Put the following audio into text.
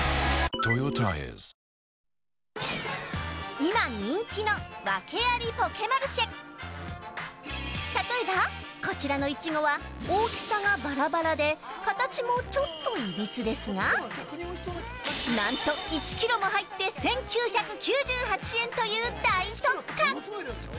今人気のワケありポケマルシェ例えばこちらのイチゴは大きさが、ばらばらで形もちょっといびつですが何と１キロも入って１９９８円という大特価。